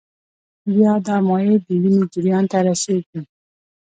بیا دا مایع د وینې جریان ته رسېږي.